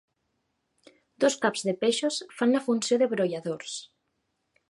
Dos caps de peixos fan la funció de brolladors.